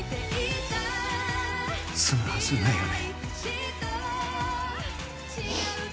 済むはずないよね